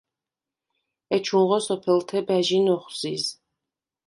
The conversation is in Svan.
ეჩუნღო სოფელთე ბა̈ჟინ ოხვზიზ.